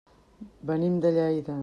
Venim de Lleida.